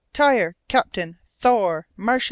Tyr, Captain, Thor, Marche!